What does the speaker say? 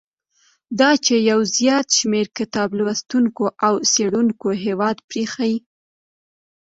دا چې یو زیات شمیر کتاب لوستونکو او څېړونکو هیواد پریښی.